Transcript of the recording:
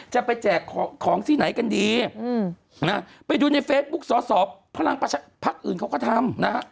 จะไปแจกของที่ไหนกันดีไปดูในเฟซบุ๊กสอสอพลังประชาภักดิ์อื่นเขาก็ทำ